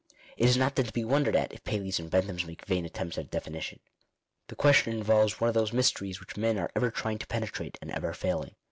It is not then to be wondered at, if Paleys and Benthams make vain attempts at a definition. The question involves one of those mysteries which men are ever trying to penetrate and ever failing.